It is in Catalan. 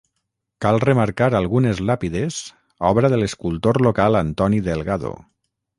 Cal remarcar algunes làpides obra de l'escultor local Antoni Delgado.